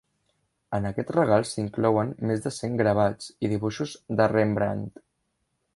En aquest regal s'inclouen més de cent gravats i dibuixos de Rembrandt.